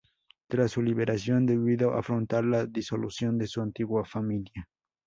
Tras su liberación debió afrontar la disolución de su antigua familia.